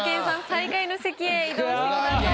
最下位の席へ移動してください。